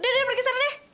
udah udah pergi sana deh